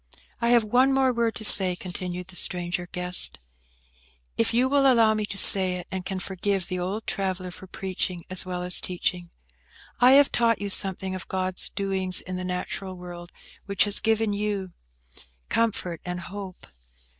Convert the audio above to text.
"I have one more word to say," continued the stranger guest, "if you will allow me to say it, and can forgive the old traveller for preaching as well as teaching. I have taught you something of God's doings in the natural world, which has given you comfort and hope.